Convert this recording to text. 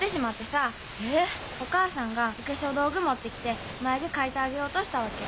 お母さんがお化粧道具持ってきてまゆ毛描いてあげようとしたわけ。